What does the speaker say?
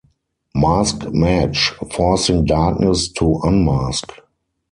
Mask Match, forcing Darkness to unmask.